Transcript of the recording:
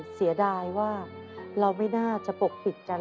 เสียดายว่าเราไม่น่าจะปกปิดกัน